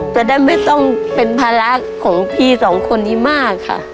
จะได้ไม่ต้องเป็นภาระของพี่สองคนนี้มากค่ะ